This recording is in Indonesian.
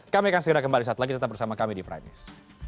kami akan segera kembali saat lagi tetap bersama kami di prime news